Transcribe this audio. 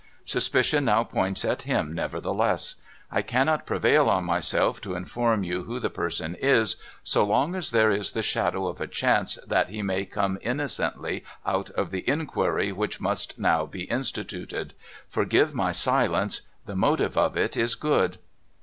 Suspicion now points at him, nevertheless. I cannot prevail on myself to inform you who the person is, so long as there is the shadow of a chance that he may come innocently out of the inquiry which must now be instituted. Forgive my silence ; the motive of it is good.